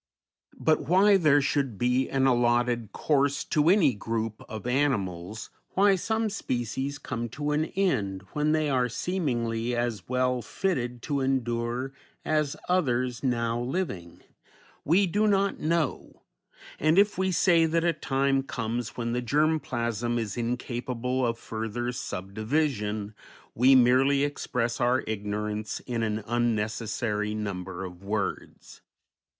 But why there should be an allotted course to any group of animals, why some species come to an end when they are seemingly as well fitted to endure as others now living, we do not know, and if we say that a time comes when the germ plasm is incapable of further subdivision, we merely express our ignorance in an unnecessary number of words.